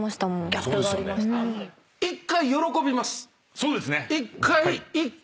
そうですね。